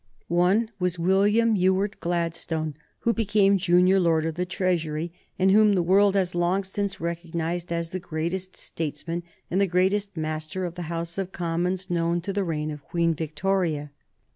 One was William Ewart Gladstone, who became Junior Lord of the Treasury, and whom the world has long since recognized as the greatest statesman and the greatest master of the House of Commons known to the reign of Queen Victoria.